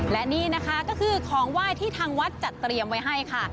และนี่นะคะก็คือของไหว้ที่ทางวัดจัดเตรียมไว้ให้ค่ะ